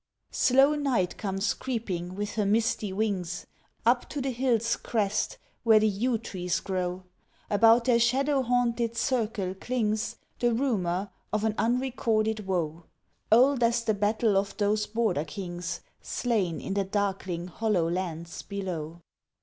Slow night comes creeping with her misty wings Up to the hill's crest, where the yew trees grow; About their shadow haunted circle clings The rumour of an unrecorded woe, Old as the battle of those border kings Slain in the darkling hollow lands below.